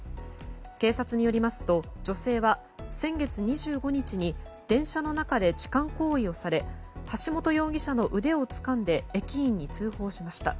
警察によりますと女性は先月２５日に電車の中で痴漢行為をされ橋本容疑者の腕をつかんで駅員に通報しました。